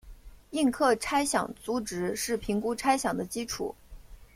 应课差饷租值是评估差饷的基础。